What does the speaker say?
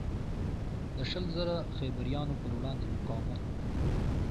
د شل زره خیبریانو پروړاندې مقاومت و.